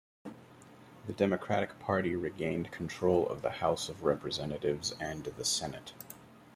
The Democratic Party regained control of the House of Representatives and the Senate.